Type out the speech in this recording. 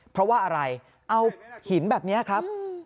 เพราะว่าอะไรเอาหินแบบนี้ครับ